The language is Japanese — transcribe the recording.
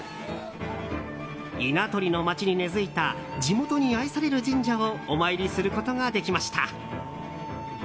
稲取の町に根付いた地元に愛される神社をお参りすることができました。